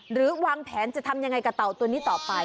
วางแผนจะทำยังไงกับเต่าตัวนี้ต่อไป